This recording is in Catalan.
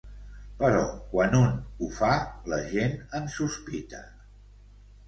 Però quan un ho fa la gent en sospita.